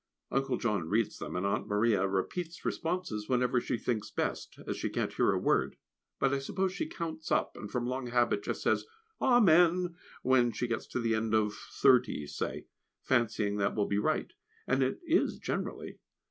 Uncle John reads them, and Aunt Maria repeats responses whenever she thinks best, as she can't hear a word; but I suppose she counts up, and, from long habit, just says "Amen" when she gets to the end of thirty, say fancying that will be right; and it is generally.